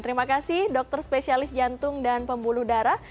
terima kasih dokter spesialis jantung dan pembuluh darah